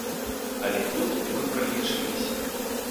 Але тут мы пралічыліся.